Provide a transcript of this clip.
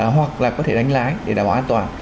hoặc là có thể đánh lái để đảm bảo an toàn